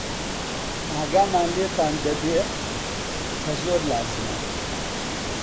ئاگامان لێتان دەبێ، کە زۆر لازمە